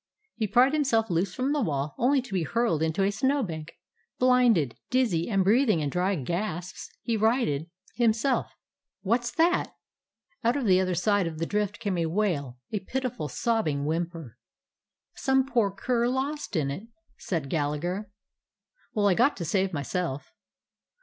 He pried himself loose from the wall, only to be hurled into a snow bank. Blinded, dizzy, and breathing in dry gasps, he righted himself. "What's that?" Out of the other side of the drift came a wail, a pitiful, sobbing whimper. 156 A BROOKLYN DOG "Some poor cur lost in it," said Gallagher. "Well, I got to save myself."